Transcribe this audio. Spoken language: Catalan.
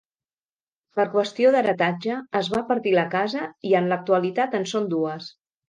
Per qüestió d'heretatge es va partir la casa i en l'actualitat en són dues.